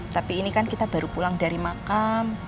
tapi ini kan kita baru pulang dari makam